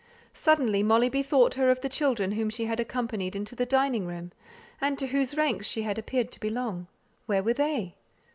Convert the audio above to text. Suddenly Molly bethought her of the children whom she had accompanied into the dining room, and to whose ranks she had appeared to belong, where were they?